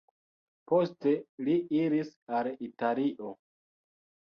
Poste li iris al Italio.